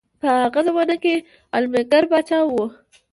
په هغه زمانه کې عالمګیر پاچا وو.